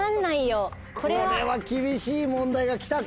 これは厳しい問題が来たか。